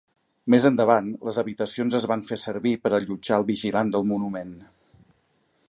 Més endavant, les habitacions es van fer servir per allotjar el vigilant del monument.